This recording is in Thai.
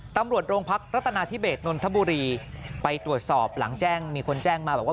ตำรวจโรงพักรัฐนาธิเบสนนทบุรีไปตรวจสอบหลังแจ้งมีคนแจ้งมาบอกว่า